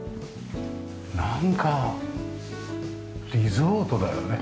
なんかリゾートだよね。